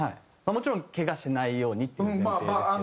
もちろんけがしないようにっていう前提ですけど。